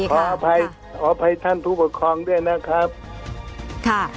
ขออภัยท่านผู้ปกครองด้วยนะครับ